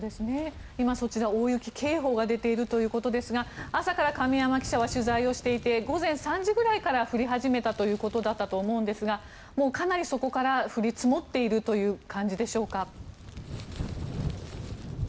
今、そちらは大雪警報が出ているということですが朝から神山記者は取材をしていて午前３時ぐらいから降り始めたということだったと思うんですがかなりそこから降り積もっているという感じでしょうか。